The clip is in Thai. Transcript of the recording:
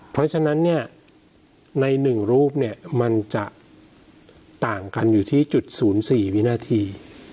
เพราะฉะนั้นเนี่ยใน๑รูปเนี่ยมันจะต่างกันอยู่ที่จุด๐๔วินาที